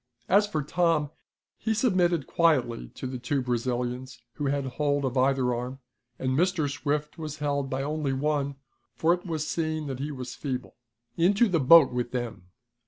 As for Tom, he submitted quietly to the two Brazilians who had hold of either arm, and Mr. Swift was held by only one, for it was seen that he was feeble. "Into the boat with them!"